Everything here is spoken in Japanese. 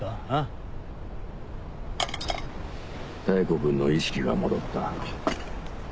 妙子君の意識が戻った。